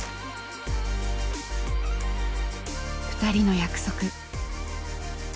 ２人の約束。